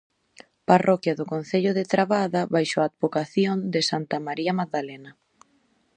Parroquia do concello de Trabada baixo a advocación de santa María Madanela.